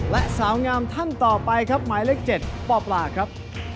และสาวงามท่านต่อไปครับหมายเลข๗ปปลาครับ